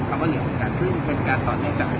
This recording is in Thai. ก็เลยพร้อมศาลนักศึกมะยานที่๔๕๐ม